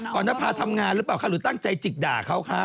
รณภาทำงานหรือเปล่าคะหรือตั้งใจจิกด่าเขาคะ